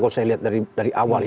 kalau saya lihat dari awal ya